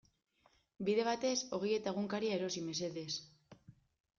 Bide batez ogia eta egunkaria erosi mesedez.